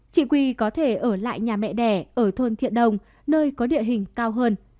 chị quy có thể ở lại nhà mẹ đẻ ở thôn thiện đồng nơi có địa hình cao hơn